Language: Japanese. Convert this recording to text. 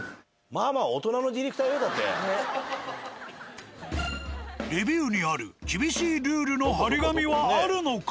まあまあレビューにある厳しいルールの張り紙はあるのか？